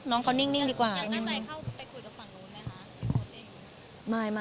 น้องเขานิ่งดีกว่ายังแน่ใจเข้าไปคุยกับฝั่งนู้นไหมคะ